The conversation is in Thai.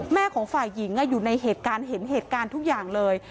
ของฝ่ายหญิงอยู่ในเหตุการณ์เห็นเหตุการณ์ทุกอย่างเลย